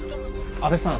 阿部さん。